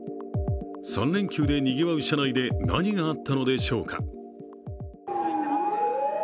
３連休でにぎわう車内で何があったのでしょうか。